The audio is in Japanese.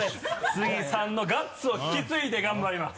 スギさんのガッツを引き継いで頑張ります。